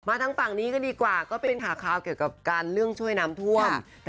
ทางฝั่งนี้ก็ดีกว่าก็เป็นข่าวเกี่ยวกับการเรื่องช่วยน้ำท่วม